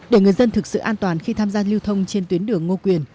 để người dân thực sự an toàn khi tham gia lưu thông trên tuyến đường ngô quyền